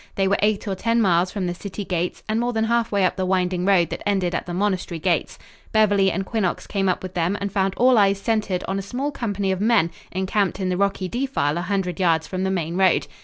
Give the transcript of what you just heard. They were eight or ten miles from the city gates and more than half way up the winding road that ended at the monastery gates. Beverly and Quinnox came up with them and found all eyes centered on a small company of men encamped in the rocky defile a hundred yards from the main road.